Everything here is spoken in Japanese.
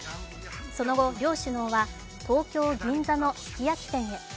その後、両首脳は東京・銀座のすき焼き店へ。